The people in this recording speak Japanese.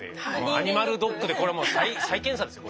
「アニマルドック」でこれはもう再検査ですよ